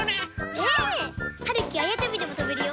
ねえ！はるきあやとびでもとべるよ。